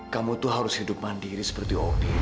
kamu tuh harus hidup mandiri seperti odi